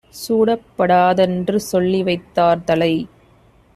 சூடப் படாதென்று சொல்லிவைத் தார்தலை